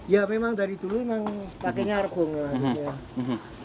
ya memang dari dulu memang pakainya rebung lah